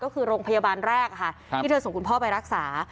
ก็คือโรงพยาบาลแรกที่เธอส่งคุณพ่อไปรักษา